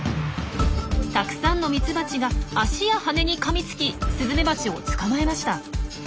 たくさんのミツバチが脚や羽にかみつきスズメバチを捕まえました。